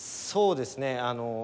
そうですね。